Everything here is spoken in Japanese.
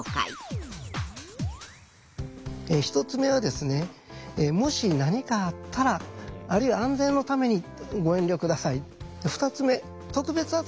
１つ目は「もし何かあったら」あるいは「安全のためにご遠慮下さい」。